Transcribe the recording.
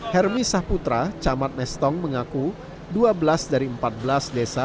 hermi saputra camat mestong mengaku dua belas dari empat belas desa